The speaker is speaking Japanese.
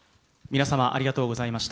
皆様ありがとうございました。